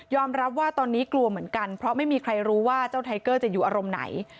รับว่าตอนนี้กลัวเหมือนกันเพราะไม่มีใครรู้ว่าเจ้าไทเกอร์จะอยู่อารมณ์ไหน